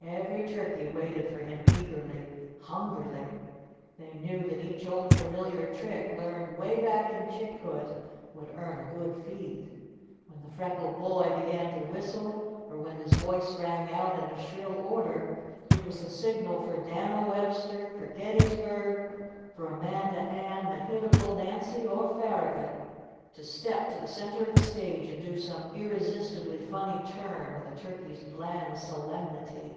Every turkey waited for him eagerly, hungrily! They knew that each old, familiar trick learned away back in chickhood would earn a good feed. When the freckled boy began to whistle, or when his voice rang out in a shrill order, it was the signal for Dan'l Webster, for Gettysburg, for Amanda Ann, Mehitable, Nancy, or Farragut to step to the center of the stage and do some irresistibly funny turn with a turkey's bland solemnity.